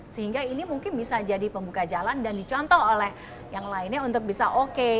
sehingga ini mungkin bisa jadi pembuka jalan dan dicontoh oleh yang lainnya untuk bisa oke